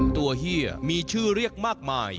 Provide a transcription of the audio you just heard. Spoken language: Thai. เฮียมีชื่อเรียกมากมาย